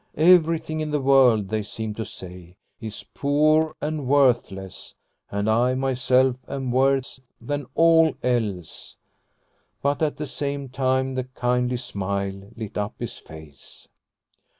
" Everything in the world," they seemed to say, " is poor and worthless, and I myself am worse than all else." But at the same time the kindly smile lit up his face.